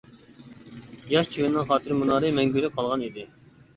ياش چىۋىننىڭ خاتىرە مۇنارى مەڭگۈلۈك قالغان ئىدى.